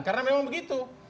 karena memang begitu